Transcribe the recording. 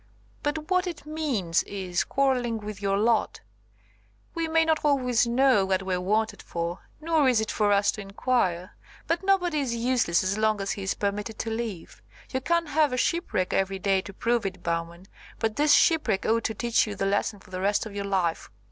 But what it means, is, quarrelling with your lot. We may not always know what we're wanted for, nor is it for us to inquire, but nobody is useless as long as he is permitted to live. You can't have a shipwreck every day to prove it, Bowman, but this shipwreck ought to teach you the lesson for the rest of your life."